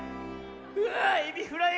⁉うわエビフライ！